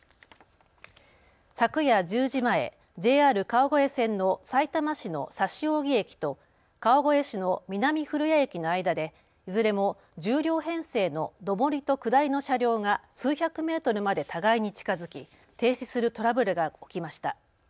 昨夜１０時前、ＪＲ川越線のさいたま市の指扇駅と川越市の南古谷駅の間でいずれも１０両編成の上りと下りの車両が数百メートルまで互いに近づき停止するトラブルが起きました。